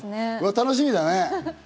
楽しみだね。